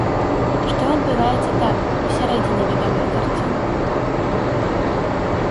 Што адбываецца там, у сярэдзіне вядомых карцін?